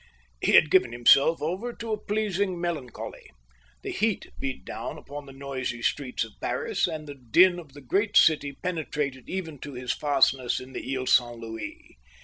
He had given himself over to a pleasing melancholy. The heat beat down upon the noisy streets of Paris, and the din of the great city penetrated even to his fastness in the Île Saint Louis.